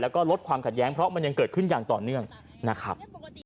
แล้วก็ลดความขัดแย้งเพราะมันยังเกิดขึ้นอย่างต่อเนื่องนะครับ